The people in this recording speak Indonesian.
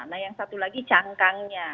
nah yang satu lagi cangkangnya